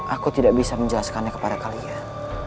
aku tidak bisa menjelaskannya kepada kalian